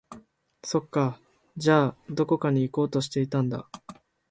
そっか、じゃあ、どこか行こうとしていたんだ